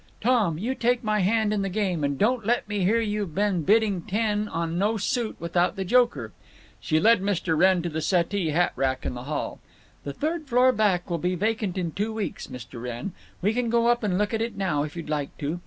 "Tom, you take my hand in the game, and don't let me hear you've been bidding ten on no suit without the joker." She led Mr. Wrenn to the settee hat rack in the hall. "The third floor back will be vacant in two weeks, Mr. Wrenn. We can go up and look at it now if you'd like to.